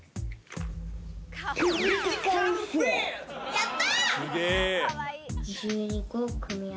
やった！